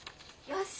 よし。